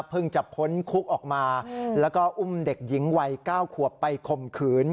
เพิ่งจับค้นคุกออกมาแล้วก็อุ้มเด็กหญิงวัยเก้าขวบไปข่มขืน